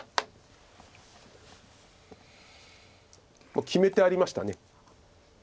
もう決めてありました。